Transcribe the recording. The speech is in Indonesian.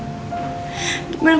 terima kasih udah kemarin